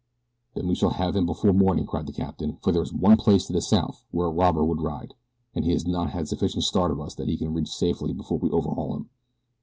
"Then we shall have him before morning," cried the captain, "for there is but one place to the south where a robber would ride, and he has not had sufficient start of us that he can reach safety before we overhaul him.